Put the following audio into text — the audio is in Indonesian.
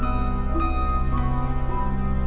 ya aku mau makan